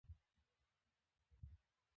ډېره څرګنده او زړۀ پورې عکاسي کوي.